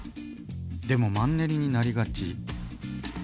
でもマンネリになりがち。